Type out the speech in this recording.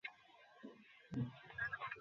তোমার মা পুত্রহারা হোক আর তুমি ধ্বংস হও!